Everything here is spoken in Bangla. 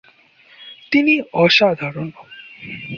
তিনি অসাধারণ।